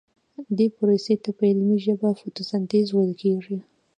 دې پروسې ته په علمي ژبه فتوسنتیز ویل کیږي